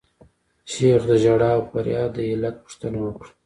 شیخ د ژړا او فریاد د علت پوښتنه وکړه.